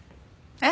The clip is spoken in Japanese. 「えっ？」